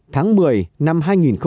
tháng một mươi năm hai nghìn sáu